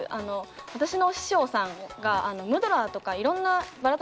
私のお師匠さんがムドラーとかいろんなバラタ